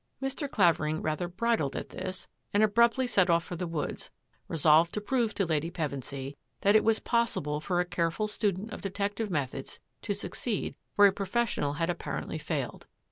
Mr. Clavering rather bridled at this and ab ruptly set off for the woods, resolved to prove to Lady Pevensy that it was possible for a careful student of detective methods to succeed where a professional had apparently failed.